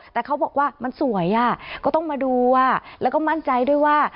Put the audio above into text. แต่เขาบอกว่ามันสวยอ่ะก็ต้องมาดูแล้วก็มั่นใจด้วยว่า